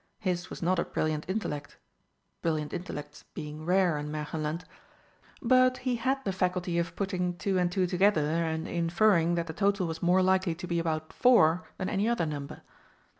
His was not a brilliant intellect brilliant intellects being rare in Märchenland but he had the faculty of putting two and two together, and inferring that the total was more likely to be about four than any other number.